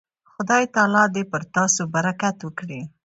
خدای تعالی دې پر تاسو برکت وکړي.